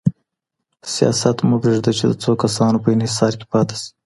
سياست مه پرېږدئ چي د څو کسانو په انحصار کي پاته سي.